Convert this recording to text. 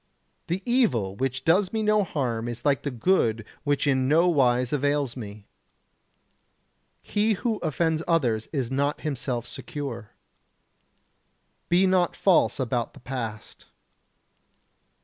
The evil which does me no harm is like the good which in no wise avails me. He who offends others is not himself secure. Be not false about the past.